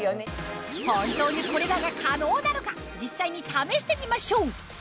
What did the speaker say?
本当にこれらが可能なのか実際に試してみましょう